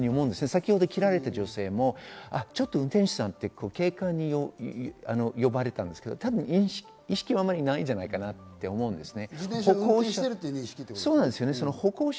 先ほど切られた女性も運転手さんって警官に呼ばれたんですけど、意識はあまりないんじゃないかなと思うんです。